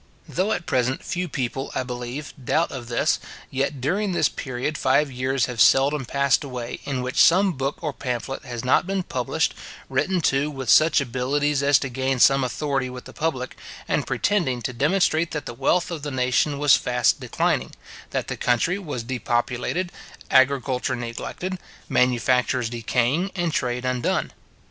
Though at present few people, I believe, doubt of this, yet during this period five years have seldom passed away, in which some book or pamphlet has not been published, written, too, with such abilities as to gain some authority with the public, and pretending to demonstrate that the wealth of the nation was fast declining; that the country was depopulated, agriculture neglected, manufactures decaying, and trade undone.